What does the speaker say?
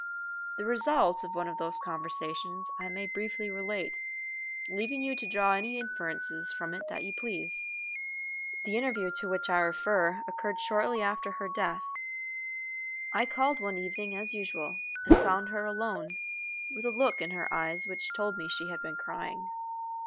The result of one of those conversations I may briefly relate, leaving you to draw any inferences from it that you please. The interview to which I refer occurred shortly before her death. I called one evening as usual, and found her alone, with a look in her eyes which told me she had been crying.